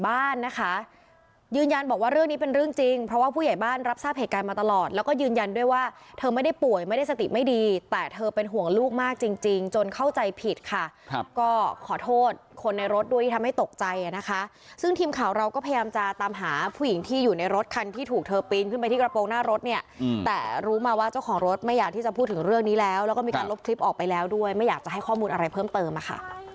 พี่หนูบรรทบุชนิมเพราะว่าผู้ใหญ่บ้านรับทราบเหตุการณ์มาตลอดแล้วก็ยืนยันด้วยว่าเธอไม่ได้ป่วยไม่ได้สติไม่ดีแต่เธอเป็นห่วงลูกมากจริงจริงจนเข้าใจผิดค่ะก็ขอโทษคนในรถด้วยที่ทำให้ตกใจนะคะซึ่งทีมข่าวเราก็พยายามจะตามหาผู้หญิงที่อยู่ในรถคันที่ถูกเธอปริ้งขึ้นไปที่กระโปรง